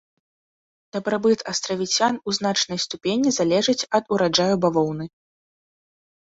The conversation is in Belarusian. Дабрабыт астравіцян у значнай ступені залежыць ад ураджаяў бавоўны.